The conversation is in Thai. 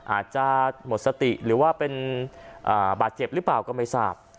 อาจจะหมดสติหรือว่าเป็นบาดเจ็บหรือเปล่าก็ไม่ทราบ